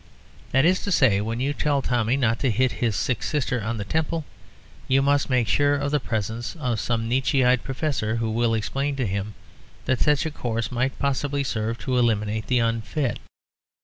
That is to say, when you tell Tommy not to hit his sick sister on the temple, you must make sure of the presence of some Nietzscheite professor, who will explain to him that such a course might possibly serve to eliminate the unfit.